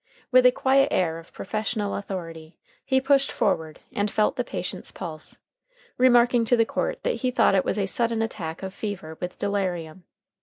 With a quiet air of professional authority he pushed forward and felt the patient's pulse, remarking to the court that he thought it was a sudden attack of fever with delirium.